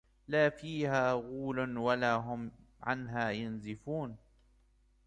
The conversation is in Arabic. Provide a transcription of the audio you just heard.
لا فيها غول ولا هم عنها ينزفون